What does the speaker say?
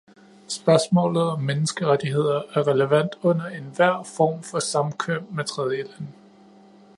Spørgsmålet om menneskerettigheder er relevant under enhver form for samkvem med tredjelande.